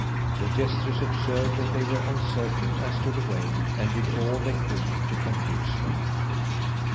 The jesters observed that they were uncertain as to the way, and did all they could to confuse them.